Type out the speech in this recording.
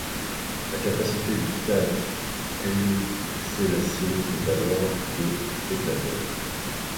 La capacité du stade Haïlé-Sélassié est alors de spectateurs.